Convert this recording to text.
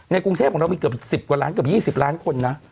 กรุงเทพของเรามีเกือบ๑๐กว่าล้านเกือบ๒๐ล้านคนนะ